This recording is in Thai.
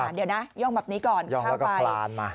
เดี๋ยวนะย่องแบบนี้ก่อนย่องแล้วก็คลานมา